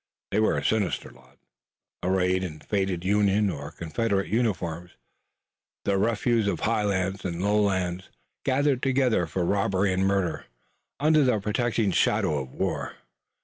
They were a sinister lot, arrayed in faded Union or Confederate uniforms, the refuse of highland and lowland, gathered together for robbery and murder, under the protecting shadow of war.